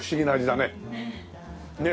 ねえ。